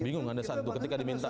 bingung kan ada satu ketika diminta